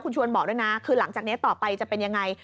ชวนบอกด้วยนะคือหลังจากนี้ต่อไปจะเป็นยังไง